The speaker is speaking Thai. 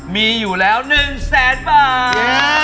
มีอยู่แล้ว๑๐๐๐๐๐บาท